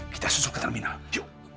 kita susul ke terminal yuk